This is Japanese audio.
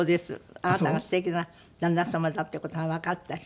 あなたがすてきな旦那様だっていう事がわかったし。